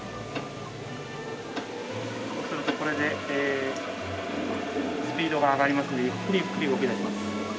するとこれでスピードが上がりますのでゆっくりゆっくり動き出します。